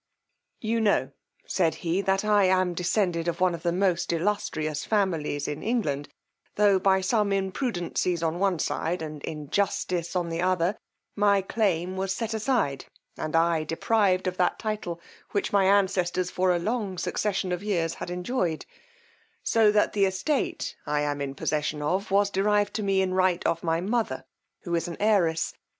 You know, said he, that I am descended of one of the most illustrious families in England, tho', by some imprudencies on the one side, and injustice on the other, my claim was set aside, and I deprived of that title which my ancestors for a long succession of years had enjoyed, so that the estate I am in possession of, was derived to me in right of my mother, who was an heiress.